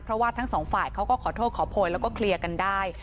เพราะว่าทั้งสองฝ่ายเขาก็ขอโทษขอโพยแล้วก็เคลียร์กันได้